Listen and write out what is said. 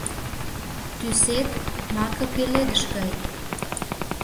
Тӱсет — маке пеледыш гай.